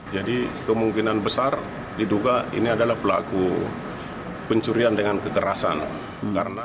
jadi kemungkinan besar diduga ini adalah pelaku pencurian dengan kekerasan